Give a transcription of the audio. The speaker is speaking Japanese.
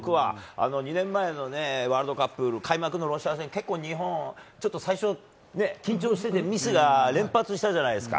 ２年前のワールドカップ開幕のロシア戦結構、日本は最初は緊張しててミスが連発したじゃないですか。